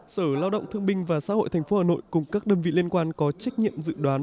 sở lao động thương binh và xã hội tp hà nội cùng các đơn vị liên quan có trách nhiệm dự đoán